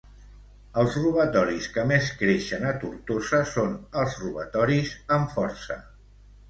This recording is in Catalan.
El robatoris que més creixen a Tortosa són els robatoris amb força.